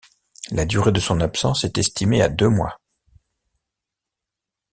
La durée de son absence est estimée à deux mois.